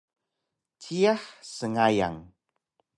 Jiyax sngayan